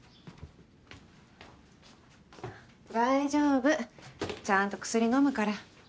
大丈夫ちゃんと薬飲むから。